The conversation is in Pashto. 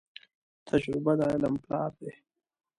تجربه د علم پلار دي.